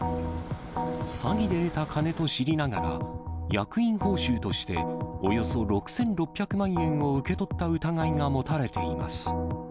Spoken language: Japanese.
詐欺で得た金と知りながら、役員報酬としておよそ６６００万円を受け取った疑いが持たれています。